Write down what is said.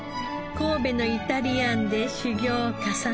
神戸のイタリアンで修業を重ね